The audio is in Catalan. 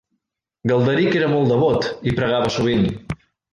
Galderic era molt devot i pregava sovint.